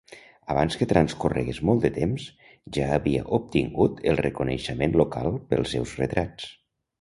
Abans que transcorregués molt de temps, ja havia obtingut el reconeixement local pels seus retrats.